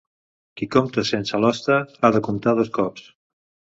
Qui compta sense l'hoste, ha de comptar dos cops.